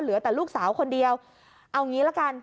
เหลือแต่ลูกสาวคนเดียวเอางี้ละกัน